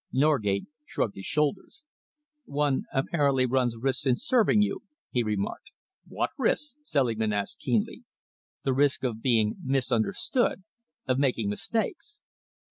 Norgate shrugged his shoulders. "One apparently runs risks in serving you," he remarked. "What risks?" Selingman asked keenly. "The risk of being misunderstood, of making mistakes."